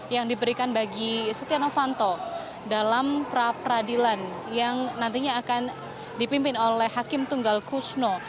yang diberikan bagi setia novanto dalam pra peradilan yang nantinya akan dipimpin oleh hakim tunggal kusno